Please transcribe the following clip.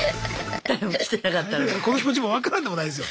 だからこの気持ちも分からんでもないですよ。